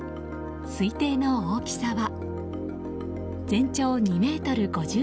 推定の大きさは全長２ｍ５３ｃｍ。